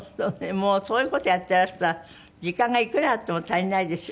もうそういう事やっていらしたら時間がいくらあっても足りないでしょ？